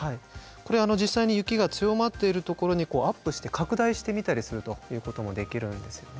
これ実際に雪が強まっているところにアップして拡大して見たりするということもできるんですよね。